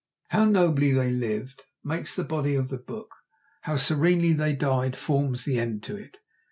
How nobly they lived makes the body of the book, how serenely they died forms the end to it.